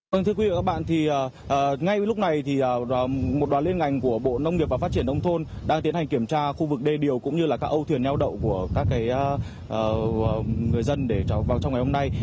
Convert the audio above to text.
vâng thưa quý vị và các bạn thì ngay lúc này thì một đoàn liên ngành của bộ nông nghiệp và phát triển nông thôn đang tiến hành kiểm tra khu vực đê điều cũng như là các âu thuyền neo đậu của các người dân để vào trong ngày hôm nay